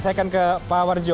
saya akan ke pak warjo